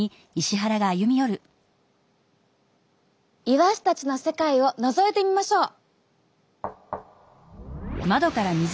イワシたちの世界をのぞいてみましょう！